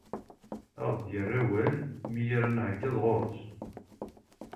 A aɣ-d-yerr awal mi ara nɛeyyeḍ ɣur-s.